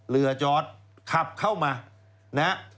เรือจอดขับเข้ามานะฮะ